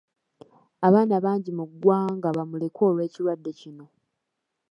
Abaana bangi mu ggwanga bamulekwa olw'ekirwadde kino.